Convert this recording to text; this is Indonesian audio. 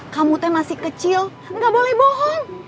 kamu teh masih kecil nggak boleh bohong